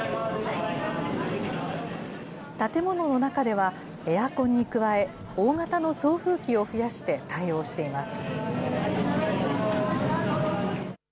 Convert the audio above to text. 建物の中ではエアコンに加え、大型の送風機を増やして、対応しています。